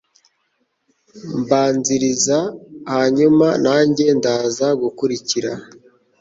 mbanzirizahanyuma nange ndaza gukurikira